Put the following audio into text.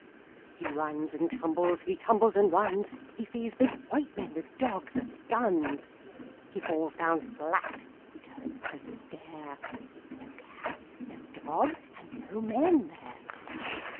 He runs and tumbles, he tumbles and runs. He sees big white men with dogs and guns. He falls down flat. H)e turns to stare — No cats, no dogs, and no men there.